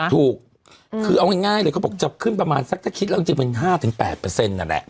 ถูกคือเอาง่ายเลยเขาบอกจะขึ้นประมาณสักถ้าคิดแล้วจริงเป็น๕๘นั่นแหละ